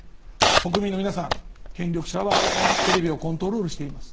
国民の皆さん、権力者はテレビをコントロールしています。